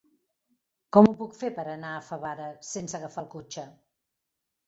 Com ho puc fer per anar a Favara sense agafar el cotxe?